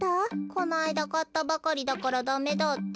このあいだかったばかりだからダメだって。